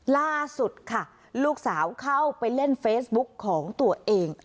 ล่าสุดค่ะลูกสาวเข้าไปเล่นเฟซบุ๊กของตัวเอง